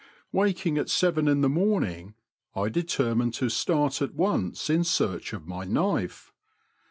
Waking at seyen in the morning, I determined to start at once in search of my knife.